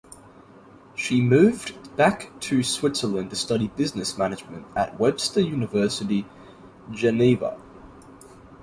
She moved back to Switzerland to study business management at Webster University Geneva.